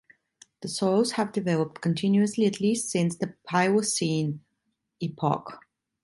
The soils have developed continuously at least since the Pliocene Epoch.